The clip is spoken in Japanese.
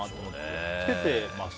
つけてますか？